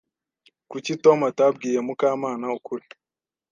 Kuki Tom atabwiye Mukamana ukuri?